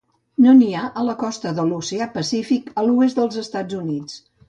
No n'hi ha a la Costa de l'Oceà Pacífic de l'oest dels Estats Units.